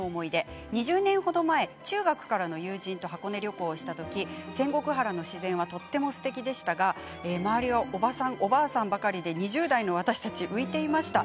２０年程前、中学からの友人と箱根旅行した時に仙石原の自然がとてもすてきでしたが周りがおばさん、おばあさんばかりで２０代の私たちが浮いていました。